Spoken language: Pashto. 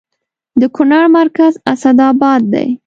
د کونړ مرکز اسداباد دی